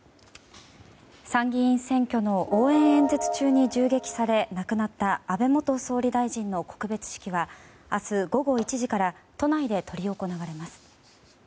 参議院選挙の応援演説中に銃撃され亡くなった安倍元総理大臣の告別式は明日午後１時から都内で執り行われます。